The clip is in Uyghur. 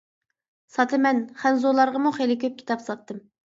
ساتىمەن، خەنزۇلارغىمۇ خېلى كۆپ كىتاب ساتتىم.